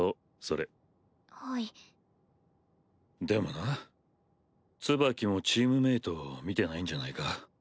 でもなツバキもチームメイトを見てないんじゃないか？